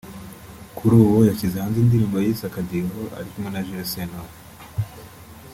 Kuri ubu yashyize hanze indirimbo yise “Akadiho” ari kumwe na Jules Sentore